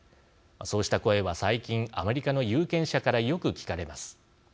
そうした声は、最近アメリカの有権者からよく聞かれます。